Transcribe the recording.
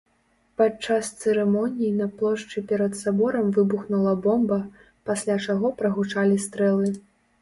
Пад час цырымоніі на плошчы перад саборам выбухнула бомба, пасля чаго прагучалі стрэлы.